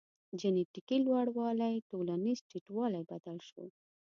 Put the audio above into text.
جنټیکي لوړوالی ټولنیز ټیټوالی بدل شو.